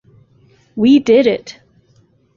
We did it!